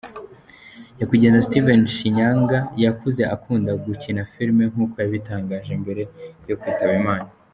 Nyakwigendera Steven Shinyanga yakuze akunda gukina filimi nkuko yabitangaje mbere yo kwitaba Imana.